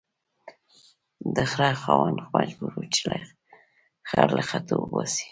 د خره خاوند مجبور و چې خر له خټو وباسي